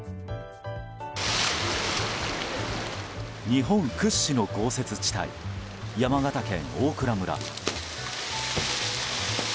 日本屈指の豪雪地帯山形県大蔵村。